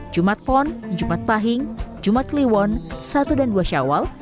jumat pon jumat pahing jumat kliwon satu dan dua syawal